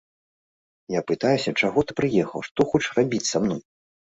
Я пытаюся, чаго ты прыехаў, што хочаш рабіць са мной?